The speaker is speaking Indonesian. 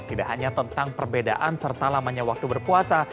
tidak hanya tentang perbedaan serta lamanya waktu berpuasa